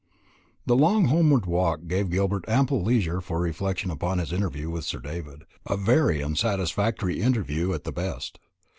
The long homeward walk gave Gilbert ample leisure for reflection upon his interview with Sir David; a very unsatisfactory interview at the best.